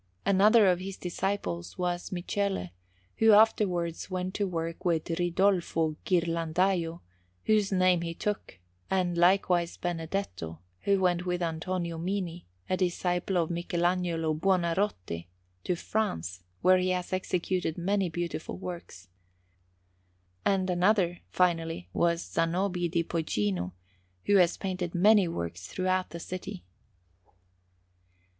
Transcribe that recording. Another of his disciples was Michele, who afterwards went to work with Ridolfo Ghirlandajo, whose name he took; and likewise Benedetto, who went with Antonio Mini, a disciple of Michelagnolo Buonarroti, to France, where he has executed many beautiful works. And another, finally, was Zanobi di Poggino, who has painted many works throughout the city.